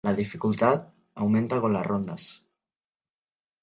La dificultad aumenta con las rondas.